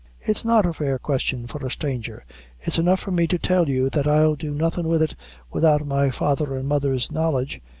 "It's not a fair question for a stranger it's enough for me to tell you that I'll do nothing with it without my father and mother's knowledge.